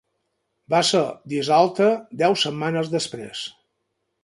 Va ser dissolta deu setmanes després.